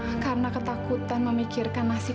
dia ingin berjalan dunnou tapi dia belum begitu inviting